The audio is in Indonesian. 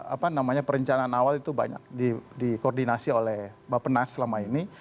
apa namanya perencanaan awal itu banyak dikoordinasi oleh bapak nas selama ini